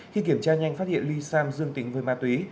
khi kiểm tra nhanh phát hiện ly sam dương tính với ma túy